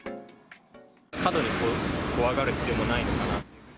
過度に怖がる必要もないのかなと。